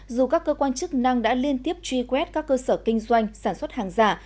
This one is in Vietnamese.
dù các cơ quan chức năng đã liên tiếp truy quét các cơ sở kinh doanh sản xuất hàng giả